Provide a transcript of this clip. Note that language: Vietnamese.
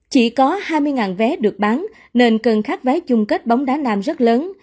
chỉ có hai mươi vé được bán nên cần khắc vé chung kết bóng đá nam rất lớn